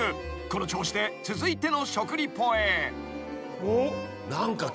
この調子で続いての食リポへ］